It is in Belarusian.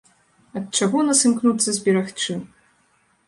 Ад чаго нас імкнуцца зберагчы?